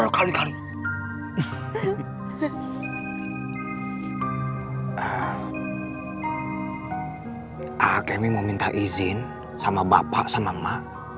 sampai jumpa di video selanjutnya